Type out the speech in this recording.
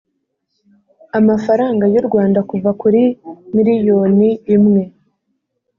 amafaranga y u rwanda kuva kuri miliyoni imwe